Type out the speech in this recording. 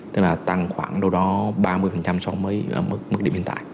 tức là tăng khoảng đâu đó ba mươi so với ở mức điểm hiện tại